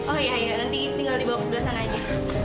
oh iya ya nanti tinggal dibawa ke sebelah sana aja